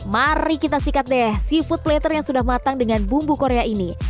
mari kita sikat deh seafood plater yang sudah matang dengan bumbu korea ini